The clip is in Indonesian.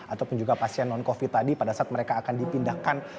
ataupun juga pasien non covid tadi pada saat mereka akan dipindahkan